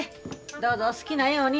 どうぞお好きなように。